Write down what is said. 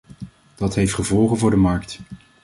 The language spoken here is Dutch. Dat heeft gevolgen voor de markt.